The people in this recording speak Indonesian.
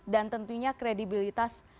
dan tentunya kredibilitas